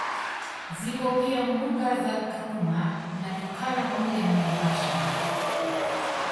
Zipo pia mbuga za Kakuma na Turkana pamoja na Naivasaha